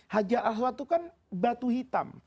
hajar aswat itu kan batu hitam